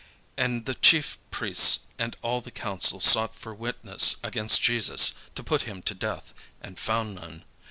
And the chief priests and all the council sought for witness against Jesus to put him to death; and found none.